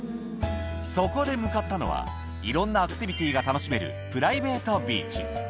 そこで向かったのは、いろんなアクティビティーが楽しめるプライベートビーチ。